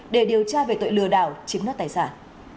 để điều tra về tội lừa đảo chiếm đoạt tài sản